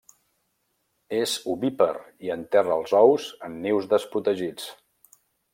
És ovípar i enterra els ous en nius desprotegits.